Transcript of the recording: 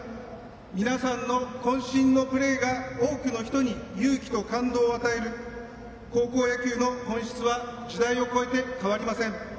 皆さんのこん身のプレーが多くの人に勇気と感動を与える高校野球の本質は時代を越えて変わりません。